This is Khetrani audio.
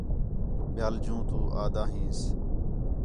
ٻِیال جوں توں آہدا ہینس